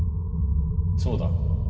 そうだ。